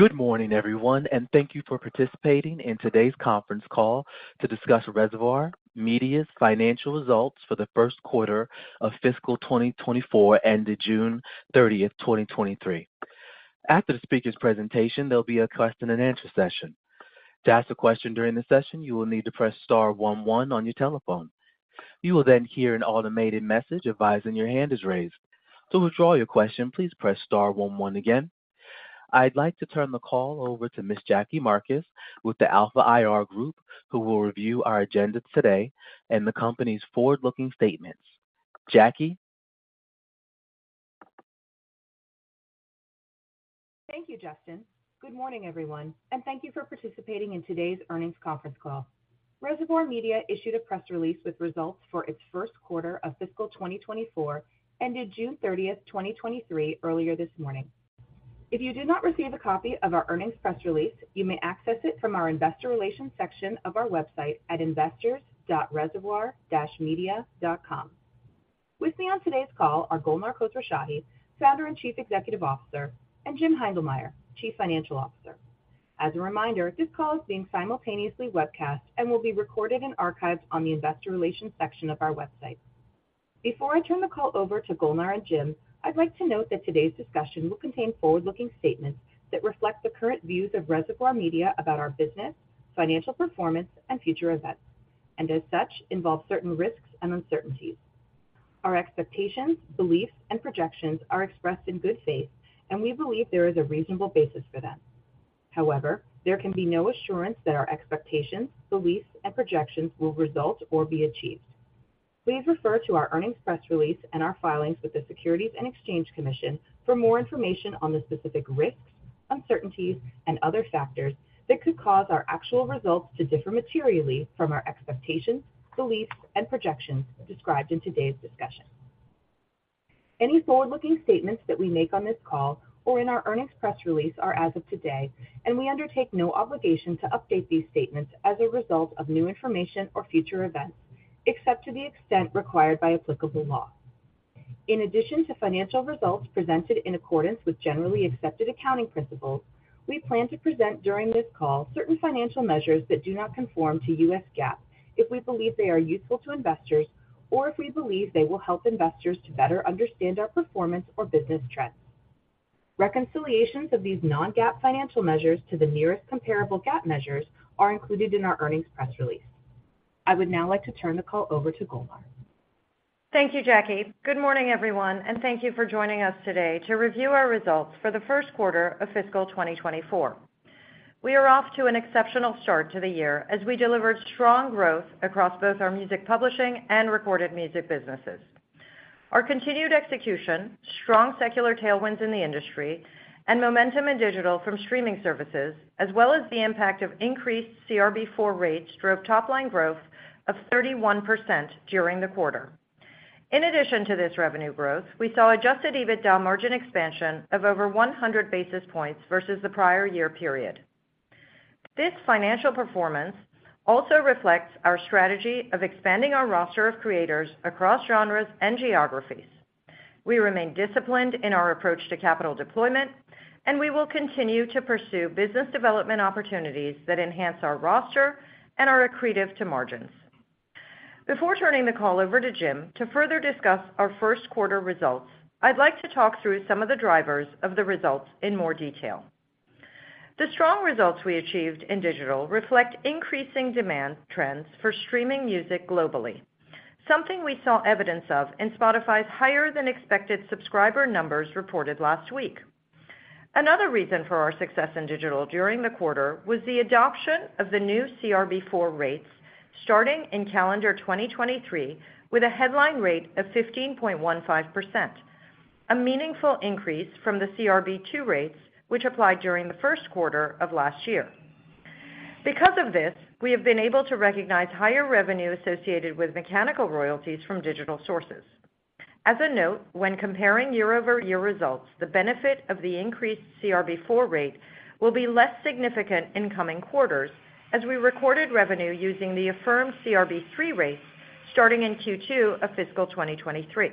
Good morning, everyone, and thank you for participating in today's conference call to discuss Reservoir Media's financial results for the first quarter of fiscal 2024, ended June 30th, 2023. After the speaker's presentation, there'll be a question and answer session. To ask a question during the session, you will need to press star one one on your telephone. You will then hear an automated message advising your hand is raised. To withdraw your question, please press star one one again. I'd like to turn the call over to Ms. Jackie Marcus with the Alpha IR Group, who will review our agenda today and the company's forward-looking statements. Jackie? Thank you, Justin. Good morning, everyone. Thank you for participating in today's earnings conference call. Reservoir Media issued a press release with results for its first quarter of fiscal 2024, ended June 30th, 2023, earlier this morning. If you did not receive a copy of our earnings press release, you may access it from our investor relations section of our website at investors.reservoir-media.com. With me on today's call are Golnar Khosrowshahi, Founder and Chief Executive Officer, and Jim Heindlmeyer, Chief Financial Officer. As a reminder, this call is being simultaneously webcast and will be recorded and archived on the investor relations section of our website. Before I turn the call over to Golnar and Jim, I'd like to note that today's discussion will contain forward-looking statements that reflect the current views of Reservoir Media about our business, financial performance, and future events, and as such, involve certain risks and uncertainties. Our expectations, beliefs, and projections are expressed in good faith, and we believe there is a reasonable basis for them. However, there can be no assurance that our expectations, beliefs, and projections will result or be achieved. Please refer to our earnings press release and our filings with the Securities and Exchange Commission for more information on the specific risks, uncertainties, and other factors that could cause our actual results to differ materially from our expectations, beliefs, and projections described in today's discussion. Any forward-looking statements that we make on this call or in our earnings press release are as of today, and we undertake no obligation to update these statements as a result of new information or future events, except to the extent required by applicable law. In addition to financial results presented in accordance with generally accepted accounting principles, we plan to present during this call certain financial measures that do not conform to U.S. GAAP if we believe they are useful to investors or if we believe they will help investors to better understand our performance or business trends. Reconciliations of these non-GAAP financial measures to the nearest comparable GAAP measures are included in our earnings press release. I would now like to turn the call over to Golnar. Thank you, Jackie. Good morning, everyone, and thank you for joining us today to review our results for the first quarter of fiscal 2024. We are off to an exceptional start to the year as we delivered strong growth across both our music publishing and recorded music businesses. Our continued execution, strong secular tailwinds in the industry, and momentum in digital from streaming services, as well as the impact of increased CRB IV rates, drove top-line growth of 31% during the quarter. In addition to this revenue growth, we saw Adjusted EBITDA margin expansion of over 100 basis points versus the prior year period. This financial performance also reflects our strategy of expanding our roster of creators across genres and geographies. We remain disciplined in our approach to capital deployment, we will continue to pursue business development opportunities that enhance our roster and are accretive to margins. Before turning the call over to Jim to further discuss our first quarter results, I'd like to talk through some of the drivers of the results in more detail. The strong results we achieved in digital reflect increasing demand trends for streaming music globally, something we saw evidence of in Spotify's higher than expected subscriber numbers reported last week. Another reason for our success in digital during the quarter was the adoption of the new CRB IV rates starting in calendar 2023, with a headline rate of 15.15%, a meaningful increase from the CRB II rates, which applied during the first quarter of last year. Because of this, we have been able to recognize higher revenue associated with mechanical royalties from digital sources. As a note, when comparing year-over-year results, the benefit of the increased CRB IV rate will be less significant in coming quarters as we recorded revenue using the affirmed CRB III rates starting in Q2 of fiscal 2023.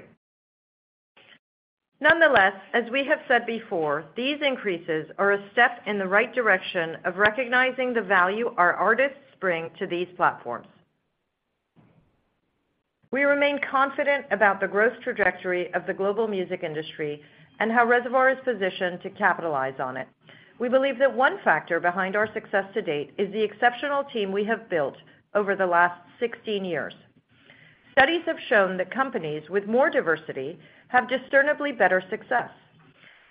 Nonetheless, as we have said before, these increases are a step in the right direction of recognizing the value our artists bring to these platforms. We remain confident about the growth trajectory of the global music industry and how Reservoir is positioned to capitalize on it. We believe that one factor behind our success to date is the exceptional team we have built over the last 16 years. Studies have shown that companies with more diversity have discernibly better success.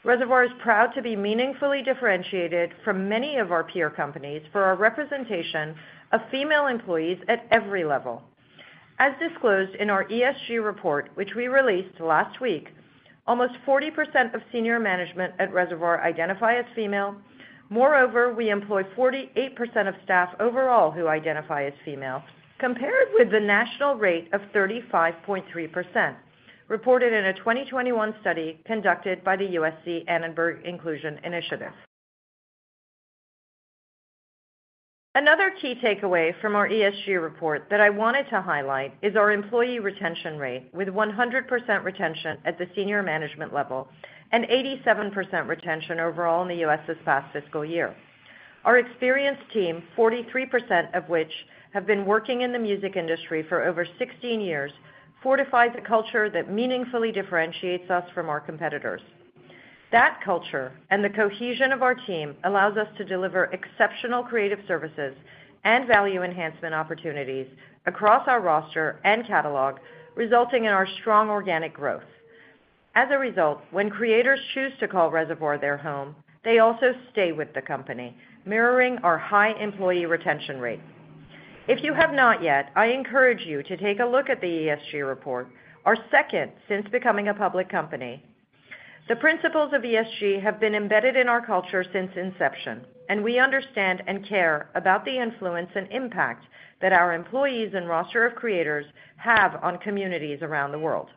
Reservoir is proud to be meaningfully differentiated from many of our peer companies for our representation of female employees at every level. As disclosed in our ESG report, which we released last week, almost 40% of senior management at Reservoir identify as female. Moreover, we employ 48% of staff overall who identify as female, compared with the national rate of 35.3%, reported in a 2021 study conducted by the USC Annenberg Inclusion Initiative. Another key takeaway from our ESG report that I wanted to highlight is our employee retention rate, with 100% retention at the senior management level and 87% retention overall in the U.S. this past fiscal year. Our experienced team, 43% of which have been working in the music industry for over 16 years, fortifies a culture that meaningfully differentiates us from our competitors. That culture and the cohesion of our team allows us to deliver exceptional creative services and value enhancement opportunities across our roster and catalog, resulting in our strong organic growth. As a result, when creators choose to call Reservoir their home, they also stay with the company, mirroring our high employee retention rate. If you have not yet, I encourage you to take a look at the ESG report, our second since becoming a public company. The principles of ESG have been embedded in our culture since inception, and we understand and care about the influence and impact that our employees and roster of creators have on communities around the world.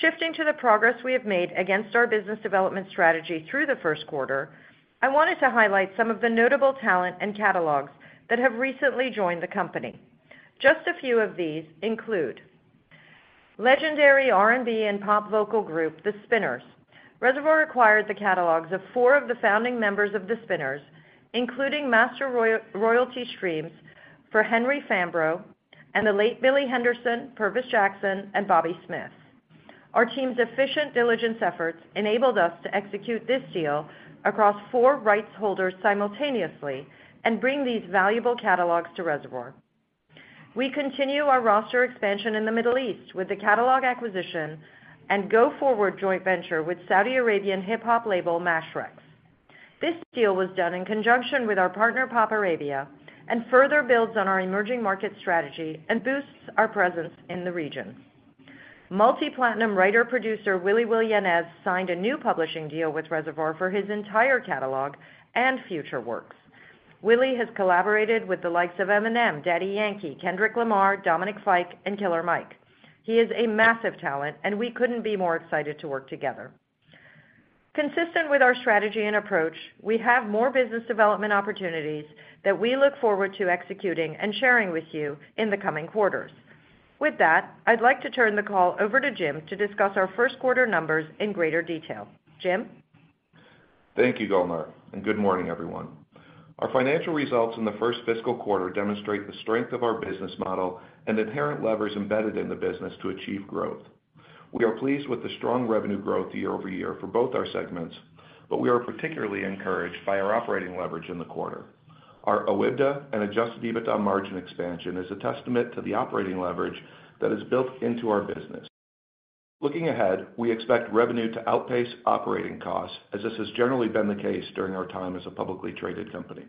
Shifting to the progress we have made against our business development strategy through the first quarter, I wanted to highlight some of the notable talent and catalogs that have recently joined the company. Just a few of these include: legendary R&B and pop vocal group, The Spinners. Reservoir acquired the catalogs of four of the founding members of The Spinners, including master royalty streams for Henry Fambrough and the late Billy Henderson, Pervis Jackson, and Bobby Smith. Our team's efficient diligence efforts enabled us to execute this deal across four rights holders simultaneously and bring these valuable catalogs to Reservoir. We continue our roster expansion in the Middle East with the catalog acquisition and go-forward joint venture with Saudi Arabian hip-hop label, Mashrex. Further builds on our emerging market strategy and boosts our presence in the region. Multi-platinum writer-producer, Willy Will Yanez, signed a new publishing deal with Reservoir for his entire catalog and future works. Willie has collaborated with the likes of Eminem, Daddy Yankee, Kendrick Lamar, Dominic Fike, and Killer Mike. He is a massive talent, and we couldn't be more excited to work together. Consistent with our strategy and approach, we have more business development opportunities that we look forward to executing and sharing with you in the coming quarters. With that, I'd like to turn the call over to Jim to discuss our first quarter numbers in greater detail. Jim? Thank you, Golnar, good morning, everyone. Our financial results in the first fiscal quarter demonstrate the strength of our business model and inherent levers embedded in the business to achieve growth. We are pleased with the strong revenue growth year-over-year for both our segments, but we are particularly encouraged by our operating leverage in the quarter. Our OIBDA and Adjusted EBITDA margin expansion is a testament to the operating leverage that is built into our business. Looking ahead, we expect revenue to outpace operating costs, as this has generally been the case during our time as a publicly traded company.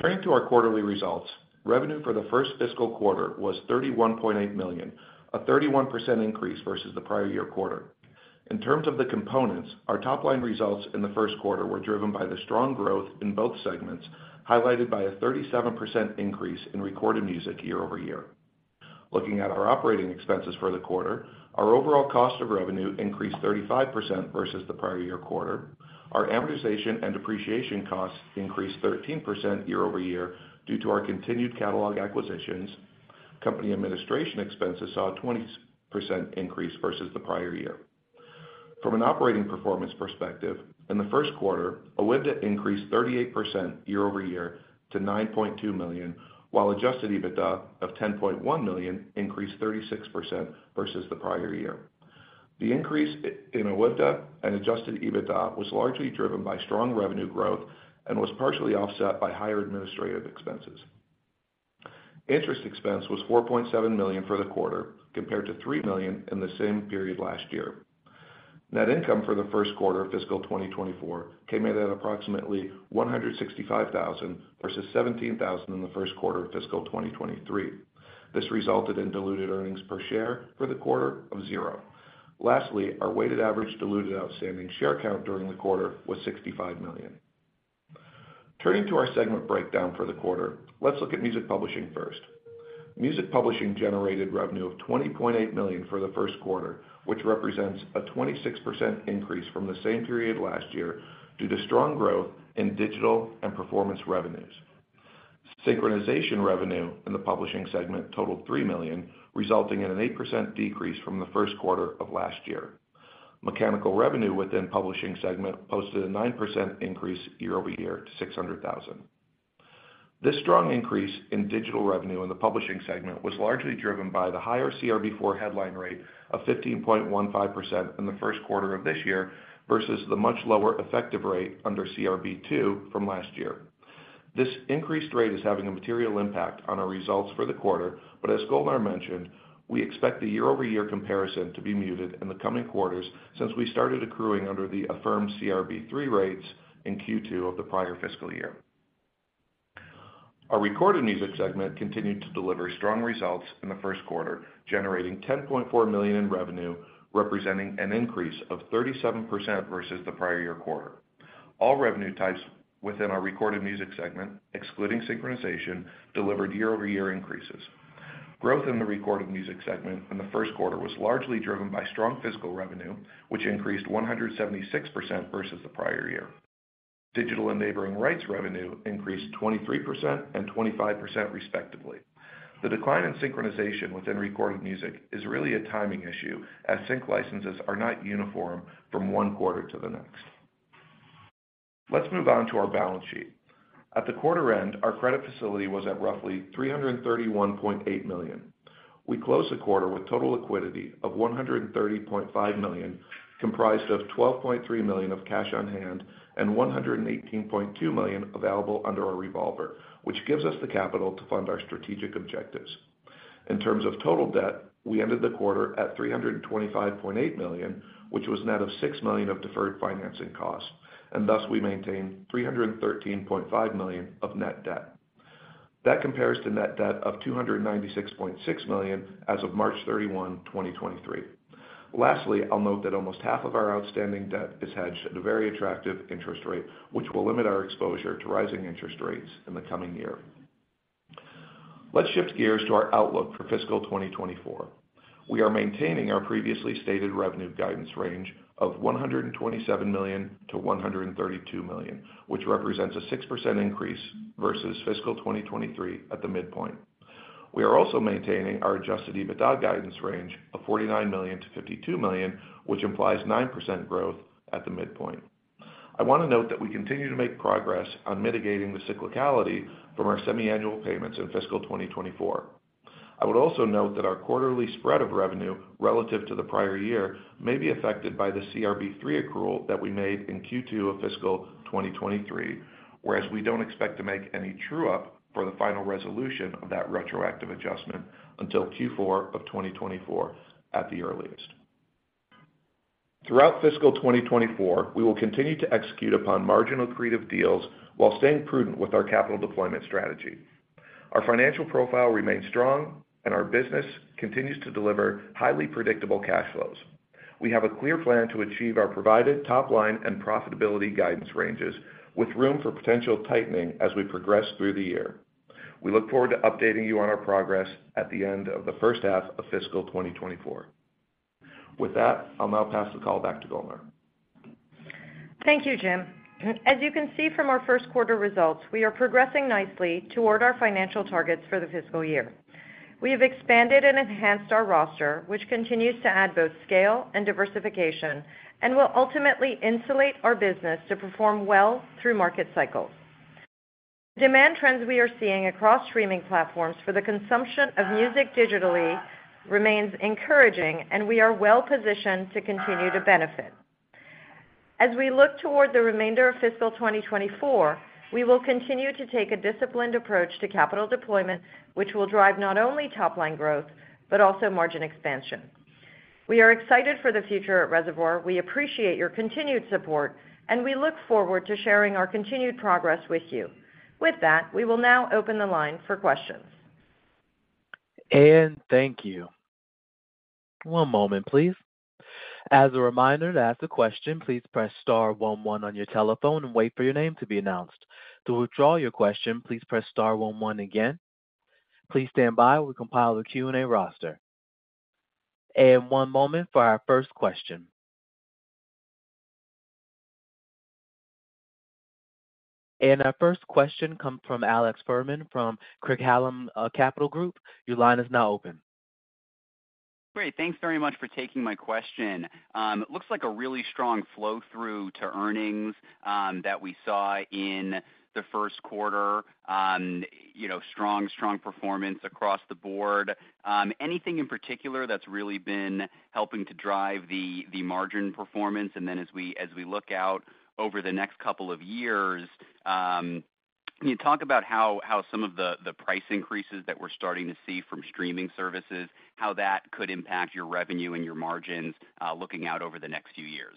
Turning to our quarterly results, revenue for the first fiscal quarter was $31.8 million, a 31% increase versus the prior year quarter. In terms of the components, our top-line results in the first quarter were driven by the strong growth in both segments, highlighted by a 37% increase in recorded music year-over-year. Looking at our operating expenses for the quarter, our overall cost of revenue increased 35% versus the prior year quarter. Our amortization and depreciation costs increased 13% year-over-year due to our continued catalog acquisitions. Company administration expenses saw a 20% increase versus the prior year. From an operating performance perspective, in the first quarter, OIBDA increased 38% year-over-year to $9.2 million, while Adjusted EBITDA of $10.1 million increased 36% versus the prior year. The increase in OIBDA and Adjusted EBITDA was largely driven by strong revenue growth and was partially offset by higher administrative expenses. Interest expense was $4.7 million for the quarter, compared to $3 million in the same period last year. Net income for the first quarter of fiscal 2024 came in at approximately $165,000, versus $17,000 in the first quarter of fiscal 2023. This resulted in diluted earnings per share for the quarter of zero. Lastly, our weighted average diluted outstanding share count during the quarter was 65 million. Turning to our segment breakdown for the quarter, let's look at music publishing first. Music publishing generated revenue of $20.8 million for the first quarter, which represents a 26% increase from the same period last year due to strong growth in digital and performance revenues. Synchronization revenue in the publishing segment totaled $3 million, resulting in an 8% decrease from the first quarter of last year. Mechanical revenue within publishing segment posted a 9% increase year-over-year to $600,000. This strong increase in digital revenue in the publishing segment was largely driven by the higher CRB IV headline rate of 15.15% in the first quarter of this year, versus the much lower effective rate under CRB II from last year. This increased rate is having a material impact on our results for the quarter, as Golnar mentioned, we expect the year-over-year comparison to be muted in the coming quarters since we started accruing under the affirmed CRB III rates in Q2 of the prior fiscal year. Our recorded music segment continued to deliver strong results in the first quarter, generating $10.4 million in revenue, representing an increase of 37% versus the prior year quarter. All revenue types within our recorded music segment, excluding synchronization, delivered year-over-year increases.... Growth in the recorded music segment in the first quarter was largely driven by strong physical revenue, which increased 176% versus the prior year. Digital and neighboring rights revenue increased 23% and 25%, respectively. The decline in synchronization within recorded music is really a timing issue, as sync licenses are not uniform from one quarter to the next. Let's move on to our balance sheet. At the quarter end, our credit facility was at roughly $331.8 million. We closed the quarter with total liquidity of $130.5 million, comprised of $12.3 million of cash on hand and $118.2 million available under our revolver, which gives us the capital to fund our strategic objectives. In terms of total debt, we ended the quarter at $325.8 million, which was net of $6 million of deferred financing costs. Thus, we maintained $313.5 million of net debt. That compares to net debt of $296.6 million as of March 31, 2023. Lastly, I'll note that almost half of our outstanding debt is hedged at a very attractive interest rate, which will limit our exposure to rising interest rates in the coming year. Let's shift gears to our outlook for fiscal 2024. We are maintaining our previously stated revenue guidance range of $127 million-$132 million, which represents a 6% increase versus fiscal 2023 at the midpoint. We are also maintaining our Adjusted EBITDA guidance range of $49 million-$52 million, which implies 9% growth at the midpoint. I want to note that we continue to make progress on mitigating the cyclicality from our semiannual payments in fiscal 2024. I would also note that our quarterly spread of revenue relative to the prior year may be affected by the CRB III accrual that we made in Q2 of fiscal 2023, whereas we don't expect to make any true-up for the final resolution of that retroactive adjustment until Q4 of 2024 at the earliest. Throughout fiscal 2024, we will continue to execute upon margin-accretive deals while staying prudent with our capital deployment strategy. Our financial profile remains strong, and our business continues to deliver highly predictable cash flows. We have a clear plan to achieve our provided top-line and profitability guidance ranges, with room for potential tightening as we progress through the year. We look forward to updating you on our progress at the end of the first half of fiscal 2024. With that, I'll now pass the call back to Golnar. Thank you, Jim. As you can see from our first quarter results, we are progressing nicely toward our financial targets for the fiscal year. We have expanded and enhanced our roster, which continues to add both scale and diversification and will ultimately insulate our business to perform well through market cycles. Demand trends we are seeing across streaming platforms for the consumption of music digitally remains encouraging, and we are well positioned to continue to benefit. As we look toward the remainder of fiscal 2024, we will continue to take a disciplined approach to capital deployment, which will drive not only top-line growth, but also margin expansion. We are excited for the future at Reservoir. We appreciate your continued support, and we look forward to sharing our continued progress with you. With that, we will now open the line for questions. Thank you. One moment, please. As a reminder, to ask a question, please press star one one on your telephone and wait for your name to be announced. To withdraw your question, please press star one one again. Please stand by. We'll compile the Q&A roster. One moment for our first question. Our first question comes from Alex Fuhrman from Craig-Hallum Capital Group. Your line is now open. Great. Thanks very much for taking my question. It looks like a really strong flow-through to earnings that we saw in the 1st quarter. You know, strong, strong performance across the board. Anything in particular that's really been helping to drive the margin performance? Then as we, as we look out over the next couple of years, can you talk about how some of the price increases that we're starting to see from streaming services, how that could impact your revenue and your margins looking out over the next few years.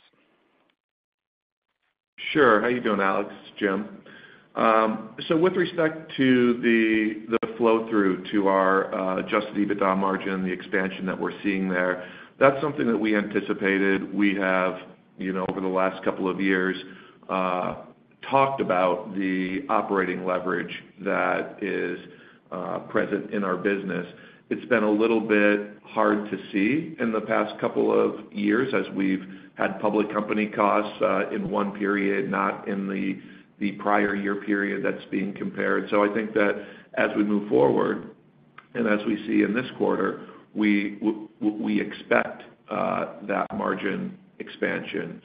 Sure. How you doing, Alex? Jim. With respect to the, the flow-through to our Adjusted EBITDA margin, the expansion that we're seeing there, that's something that we anticipated. We have, you know, over the last couple of years, talked about the operating leverage that is present in our business. It's been a little bit hard to see in the past couple of years as we've had public company costs in one period, not in the, the prior year period that's being compared. I think that as we move forward, and as we see in this quarter, we expect that margin expansion,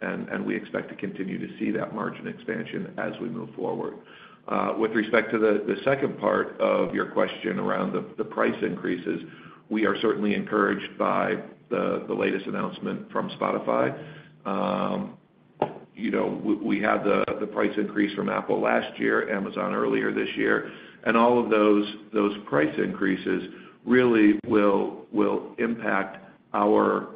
and, and we expect to continue to see that margin expansion as we move forward. With respect to the, the second part of your question around the, the price increases, we are certainly encouraged by the, the latest announcement from Spotify. You know, we had the, the price increase from Apple last year, Amazon earlier this year, and all of those, those price increases really will, will impact our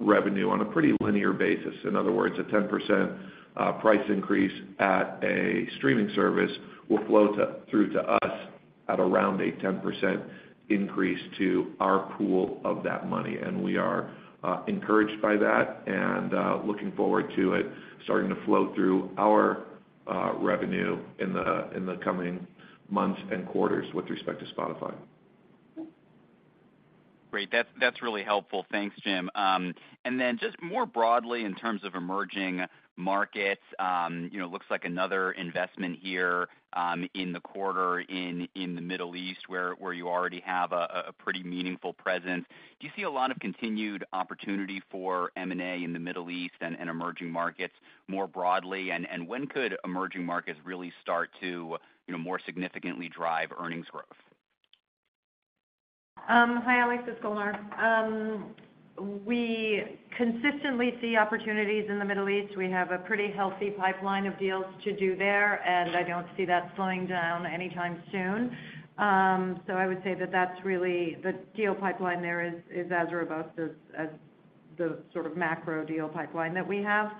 revenue on a pretty linear basis. In other words, a 10% price increase at a streaming service will flow through to us at around a 10% increase to our pool of that money, and we are encouraged by that and looking forward to it starting to flow through our revenue in the, in the coming months and quarters with respect to Spotify. Great. That's, that's really helpful. Thanks, Jim. Then just more broadly, in terms of emerging markets, you know, looks like another investment here, in the quarter in, in the Middle East, where, where you already have a, a pretty meaningful presence. Do you see a lot of continued opportunity for M&A in the Middle East and, and emerging markets more broadly? When could emerging markets really start to, you know, more significantly drive earnings growth? Hi, Alex, it's Golnar. We consistently see opportunities in the Middle East. We have a pretty healthy pipeline of deals to do there, and I don't see that slowing down anytime soon. I would say that that's really the deal pipeline there is, is as robust as, as the sort of macro deal pipeline that we have.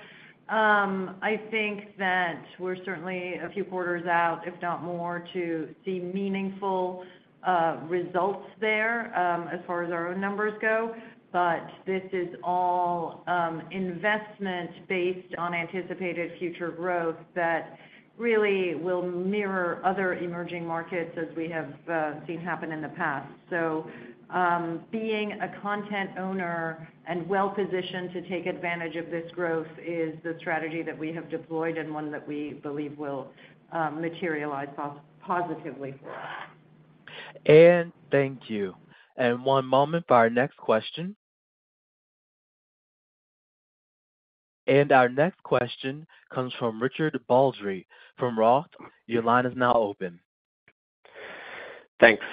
I think that we're certainly a few quarters out, if not more, to see meaningful results there, as far as our own numbers go. This is all investment based on anticipated future growth that really will mirror other emerging markets as we have seen happen in the past. Being a content owner and well-positioned to take advantage of this growth is the strategy that we have deployed and one that we believe will materialize positively for us. Thank you. One moment for our next question. Our next question comes from Richard Baldry from Roth. Your line is now open. Thanks.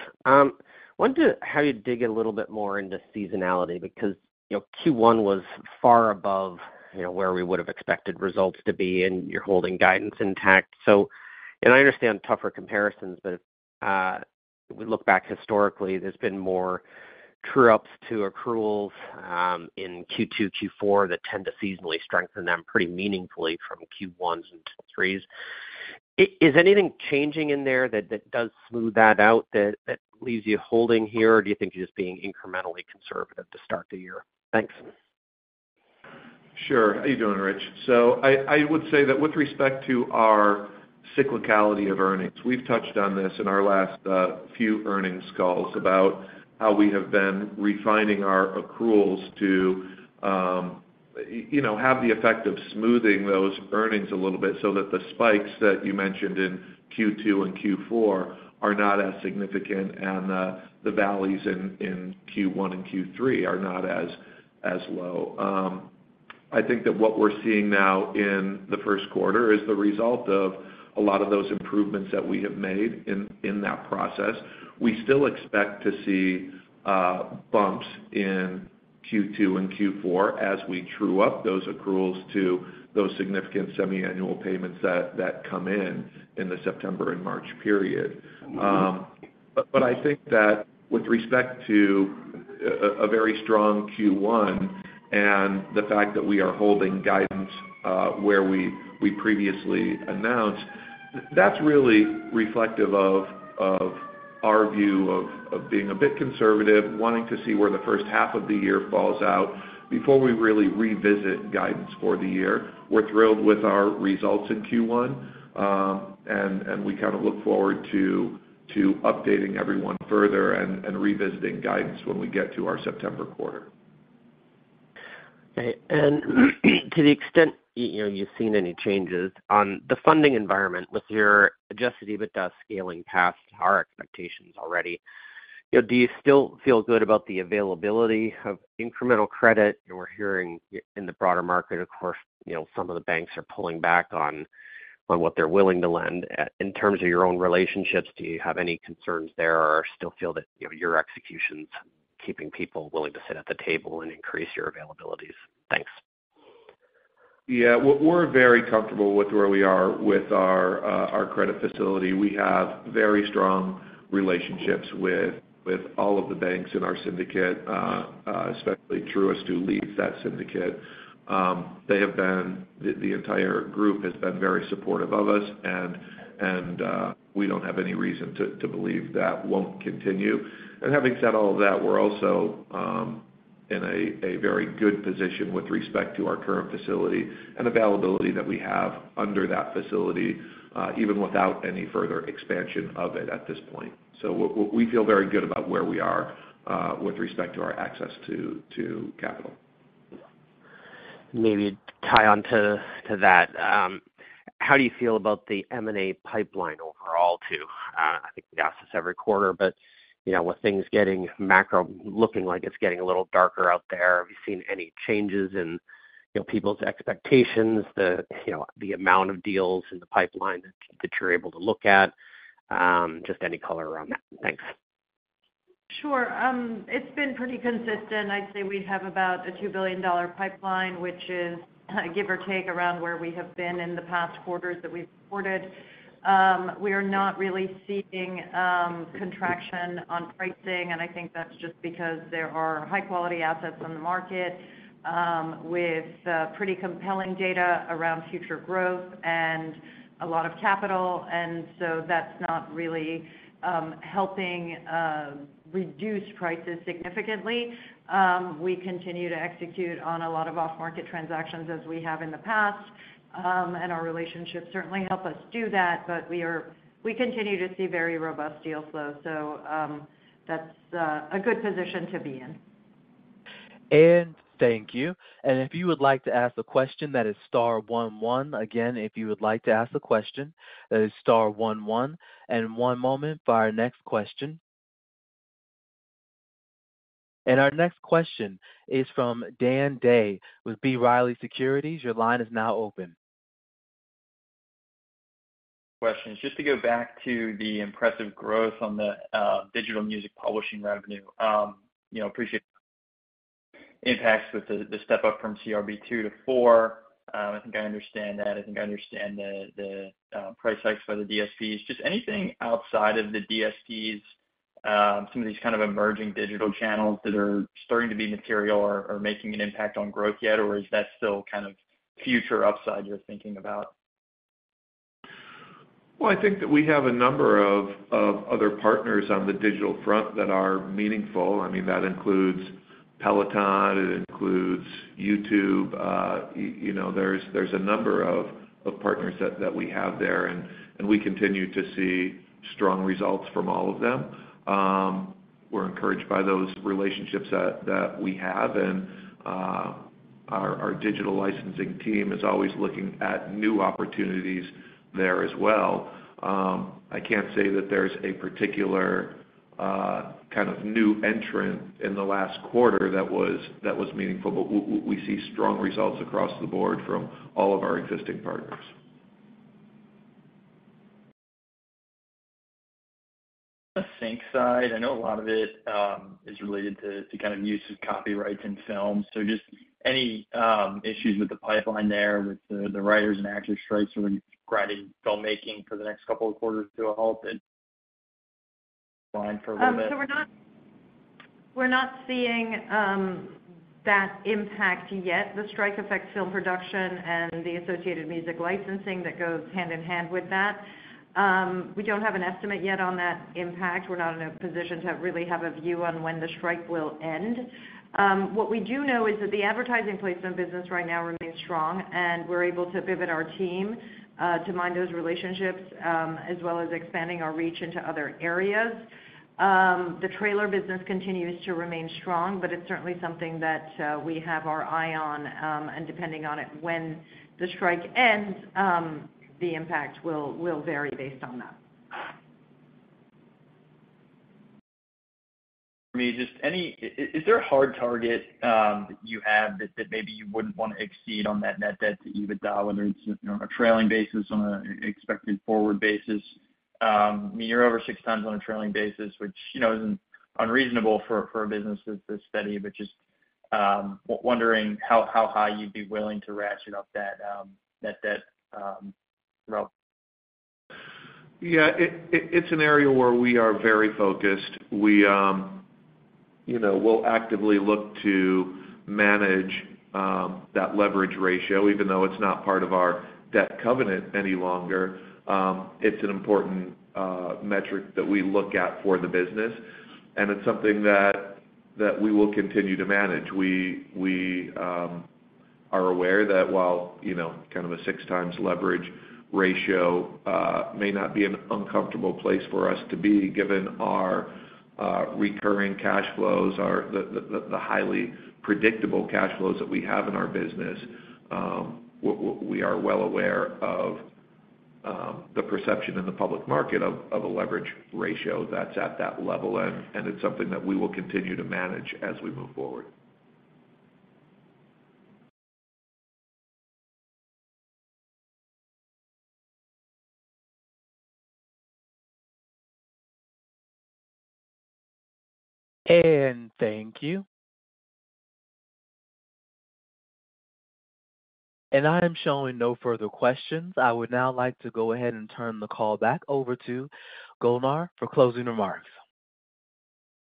wanted to have you dig a little bit more into seasonality because, you know, Q1 was far above, you know, where we would have expected results to be, and you're holding guidance intact. I understand tougher comparisons, but we look back historically, there's been more true ups to accruals in Q2, Q4, that tend to seasonally strengthen them pretty meaningfully from Q1s and Q3s. Is anything changing in there that, that does smooth that out, that, that leaves you holding here, or do you think you're just being incrementally conservative to start the year? Thanks. Sure. How you doing, Rich? I, I would say that with respect to our cyclicality of earnings, we've touched on this in our last few earnings calls about how we have been refining our accruals to, you know, have the effect of smoothing those earnings a little bit so that the spikes that you mentioned in Q2 and Q4 are not as significant, and the valleys in Q1 and Q3 are not as low. I think that what we're seeing now in the first quarter is the result of a lot of those improvements that we have made in that process. We still expect to see bumps in Q2 and Q4 as we true up those accruals to those significant semiannual payments that come in the September and March period. I think that with respect to a very strong Q1 and the fact that we are holding guidance, where we previously announced, that's really reflective of our view of being a bit conservative, wanting to see where the first half of the year falls out before we really revisit guidance for the year. We're thrilled with our results in Q1, we kind of look forward to updating everyone further and revisiting guidance when we get to our September quarter. Okay. To the extent, you know, you've seen any changes on the funding environment with your Adjusted EBITDA scaling past our expectations already, you know, do you still feel good about the availability of incremental credit? We're hearing in the broader market, of course, you know, some of the banks are pulling back on, on what they're willing to lend. In terms of your own relationships, do you have any concerns there or still feel that, you know, your execution's keeping people willing to sit at the table and increase your availabilities? Thanks. Yeah. We're, we're very comfortable with where we are with our credit facility. We have very strong relationships with, with all of the banks in our syndicate, especially Truist, who leads that syndicate. The entire group has been very supportive of us, and, and we don't have any reason to, to believe that won't continue. Having said all of that, we're also in a, a very good position with respect to our current facility and availability that we have under that facility, even without any further expansion of it at this point. We feel very good about where we are with respect to our access to, to capital. Maybe to tie on to, to that, how do you feel about the M&A pipeline overall, too? I think we ask this every quarter, but, you know, with things getting macro, looking like it's getting a little darker out there, have you seen any changes in, you know, people's expectations, the, you know, the amount of deals in the pipeline that you're able to look at? Just any color around that. Thanks. Sure. It's been pretty consistent. I'd say we have about a $2 billion pipeline, which is, give or take, around where we have been in the past quarters that we've reported. We are not really seeing contraction on pricing, and I think that's just because there are high-quality assets on the market, with pretty compelling data around future growth and a lot of capital, and so that's not really helping reduce prices significantly. We continue to execute on a lot of off-market transactions as we have in the past, and our relationships certainly help us do that. We continue to see very robust deal flow, so that's a good position to be in. Thank you. If you would like to ask a question, that is star one one. Again, if you would like to ask a question, that is star one one. And one moment for our next question. Our next question is from Dan Day with B. Riley Securities. Your line is now open. Questions. Just to go back to the impressive growth on the digital music publishing revenue, you know, appreciate impacts with the step up from CRB II-CRB IV. I think I understand that. I think I understand the price hikes by the DSPs. Just anything outside of the DSPs, some of these kind of emerging digital channels that are starting to be material or making an impact on growth yet? Or is that still kind of future upside you're thinking about? Well, I think that we have a number of, of other partners on the digital front that are meaningful. I mean, that includes Peloton, it includes YouTube, you know, there's, there's a number of, of partners that, that we have there, and, and we continue to see strong results from all of them. We're encouraged by those relationships that, that we have, and, our, our digital licensing team is always looking at new opportunities there as well. I can't say that there's a particular, kind of new entrant in the last quarter that was, that was meaningful, but we see strong results across the board from all of our existing partners. On the sync side, I know a lot of it is related to kind of use of copyrights in film, just any issues with the pipeline there, with the writers and actors strikes are grinding filmmaking for the next couple of quarters to a halt and line for a little bit? We're not, we're not seeing that impact yet, the strike affect film production and the associated music licensing that goes hand-in-hand with that. We don't have an estimate yet on that impact. We're not in a position to have, really have a view on when the strike will end. What we do know is that the advertising placement business right now remains strong, and we're able to pivot our team to mine those relationships, as well as expanding our reach into other areas. The trailer business continues to remain strong, but it's certainly something that we have our eye on. Depending on it, when the strike ends, the impact will, will vary based on that. For me, just any... is there a hard target that you have that, that maybe you wouldn't want to exceed on that Net Debt to EBITDA, whether it's on a trailing basis, on an expected forward basis? I mean, you're over 6x on a trailing basis, which, you know, isn't unreasonable for a business that's this steady, but just wondering how high you'd be willing to ratchet up that debt route. Yeah, it, it, it's an area where we are very focused. We, you know, we'll actively look to manage that leverage ratio, even though it's not part of our debt covenant any longer. It's an important metric that we look at for the business, and it's something that, that we will continue to manage. We, we are aware that while, you know, kind of a 6x leverage ratio may not be an uncomfortable place for us to be, given our recurring cash flows, our the, the, the highly predictable cash flows that we have in our business, we are well aware of the perception in the public market of, of a leverage ratio that's at that level, and, and it's something that we will continue to manage as we move forward. Thank you. I am showing no further questions. I would now like to go ahead and turn the call back over to Golnar for closing remarks.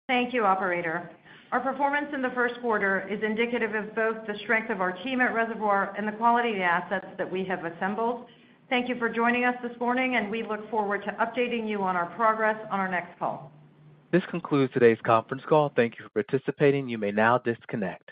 Thank you, operator. Our performance in the first quarter is indicative of both the strength of our team at Reservoir and the quality of the assets that we have assembled. Thank you for joining us this morning, and we look forward to updating you on our progress on our next call. This concludes today's conference call. Thank you for participating. You may now disconnect.